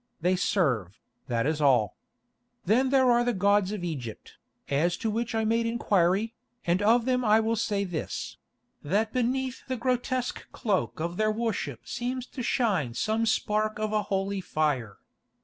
They serve, that is all. Then there are the gods of Egypt, as to which I made inquiry, and of them I will say this: that beneath the grotesque cloak of their worship seems to shine some spark of a holy fire.